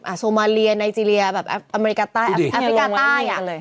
โซมาเลียไนเจรียแบบอเมริกาใต้แอฟริกาใต้อ่ะ